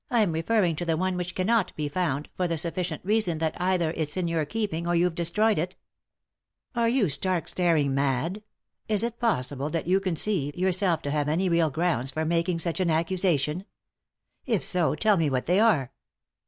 " I'm referring to the one which cannot be found, for 279 3i 9 iii^d by Google THE INTERRUPTED KISS the sufficient reason that either it's in your keeping or you've destroyed it." "Are you stark, staring mad ? Is it possible that you conceive yourself to have any real grounds for making such an accusation ? If so, tell me what they are."